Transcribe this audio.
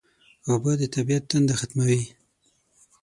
اوبه د طبیعت تنده ختموي